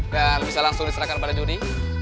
dan bisa langsung diserahkan pada judi